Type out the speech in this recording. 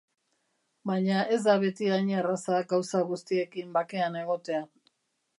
Baina ez da beti hain erraza gauza guztiekin bakean egotea.